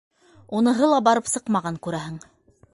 Уныһы ла барып сыҡмаған, күрәһең.